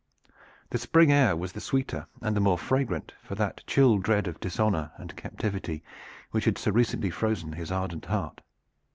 The spring air was the sweeter and the more fragrant for that chill dread of dishonor and captivity which had so recently frozen his ardent heart.